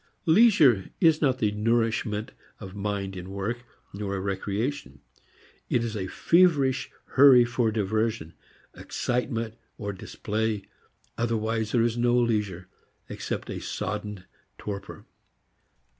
Leisure is not the nourishment of mind in work, nor a recreation; it is a feverish hurry for diversion, excitement, display, otherwise there is no leisure except a sodden torpor.